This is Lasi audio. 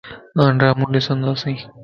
آن ڊرامو ڏندياس